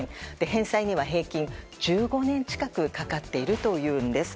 返済には平均１５年近くかかっているというんです。